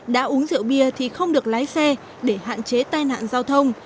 đã uống rượu bia thì không được lái xe để hạn chế tai nạn giao thông